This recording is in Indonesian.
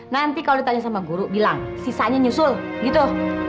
nanti kalau ditanya sama guru bilang sisanya nyusul gitu